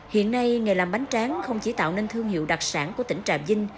hiện nay nghề làm bánh tráng không chỉ tạo nên thương hiệu đặc sản của tỉnh trà vinh